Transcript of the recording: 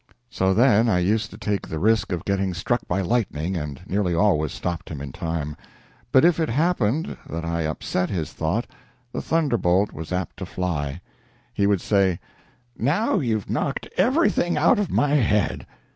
So then I used to take the risk of getting struck by lightning, and nearly always stopped him in time. But if it happened that I upset his thought, the thunderbolt was apt to fly. He would say: "Now you've knocked everything out of my head."